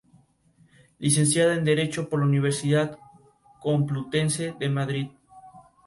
Son en total seis sátiras, unos seiscientos versos en total.